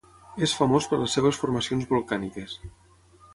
És famós per les seves formacions volcàniques.